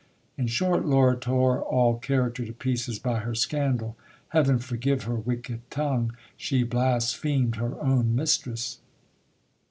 In short, Laura tore all character to pieces by her scandal. Heaven forgive her wicked tongue ! She blasphemed her own mistress.